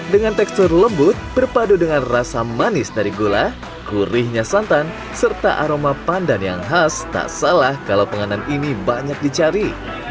dengan tekstur lembut berpadu dengan rasa manis dari gula gurihnya santan serta aroma pandan yang khas tak salah kalau penganan ini banyak dicari